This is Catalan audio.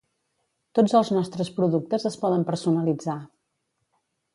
Tots els nostres productes es poden personalitzar.